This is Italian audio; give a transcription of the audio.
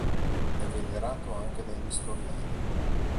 È venerato anche dai nestoriani.